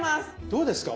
どうですか？